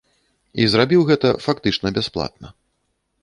І зрабіў гэта фактычна бясплатна.